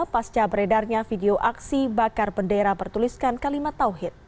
pasca beredarnya video aksi bakar bendera bertuliskan kalimat tawhid